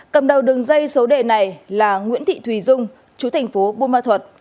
cầm đầu đường dây số đề này là nguyễn thị thùy dung chú thành phố bumma thuật